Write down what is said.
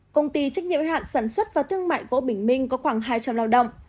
công ty trách nhiệm hạn sản xuất và thương mại gỗ bình minh có khoảng hai trăm linh lao động